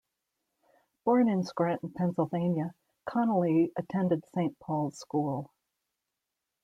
Born in Scranton, Pennsylvania, Connolly attended Saint Paul's School.